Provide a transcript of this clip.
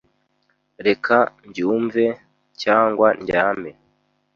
reka mbyumve, cyangwa ndyame. ”